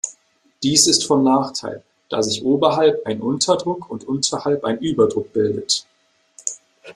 Dies ist von Nachteil, da sich oberhalb ein Unterdruck und unterhalb ein Überdruck bildet.